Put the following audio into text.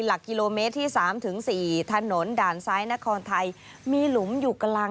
หลักกิโลเมตรที่๓๔ถนนด่านซ้ายนครไทย